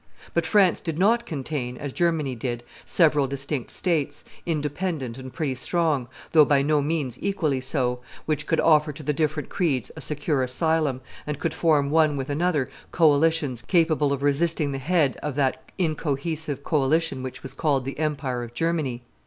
But France did not contain, as Germany did, several distinct states, independent and pretty strong, though by no means equally so, which could offer to the different creeds a secure asylum, and could form one with another coalitions capable of resisting the head of that incohesive coalition which was called the empire of Germany.